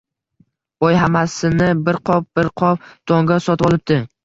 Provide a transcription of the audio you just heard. Boy hammasini bir qop-bir qop donga sotvolibdi.